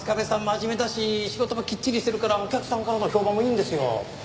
真面目だし仕事もきっちりしてるからお客さんからの評判もいいんですよ。